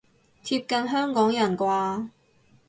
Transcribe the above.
貼近香港人啩